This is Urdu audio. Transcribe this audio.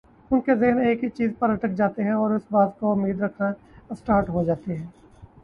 ان کے ذہن ایک ہی چیز پر اٹک جاتے ہیں اور اسی بات کی امید رکھنا اسٹارٹ ہو جاتی ہیں